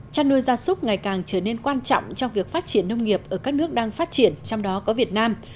chăn nuôi gia súc ngày càng trở nên quan trọng trong việc phát triển nông nghiệp ở các nước đang phát triển trong đó có việt nam